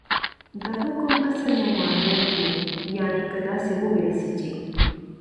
دحكم اصل ، ممانعت دى يعني كه داسي وويل سي چې